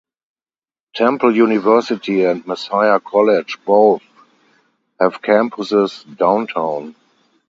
Temple University and Messiah College both have campuses downtown.